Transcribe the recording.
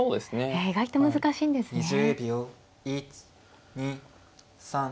ええ意外と難しいんですね。